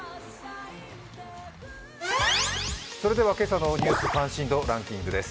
それでは「ニュース関心度ランキング」です。